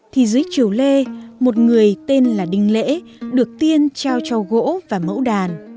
thì dưới triều lê một người tên là đình lễ được tiên trao cho gỗ và mẫu đàn